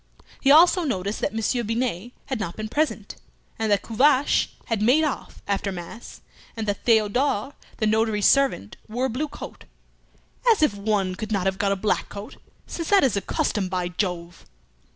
He also noticed that Monsieur Binet had not been present, and that Tuvache had "made off" after mass, and that Theodore, the notary's servant wore a blue coat, "as if one could not have got a black coat, since that is the custom, by Jove!"